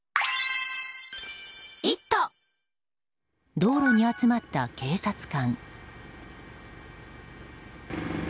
道路に集まった警察官。